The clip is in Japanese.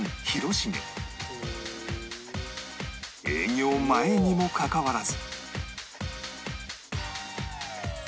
営業前にもかかわらず